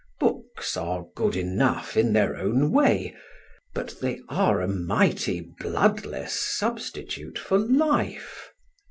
Books are good enough in their own way, but they are a mighty bloodless substitute for life.